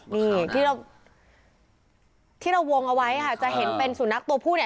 นี่ที่เราที่เราวงเอาไว้ค่ะจะเห็นเป็นสุนัขตัวผู้เนี่ย